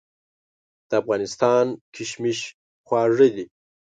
د افغانستان کشمش خواږه دي.